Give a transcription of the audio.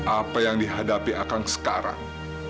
apa yang dihadapi akang sekarang